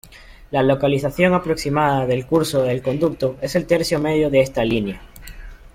La localización aproximada del curso del conducto es el tercio medio de esta línea.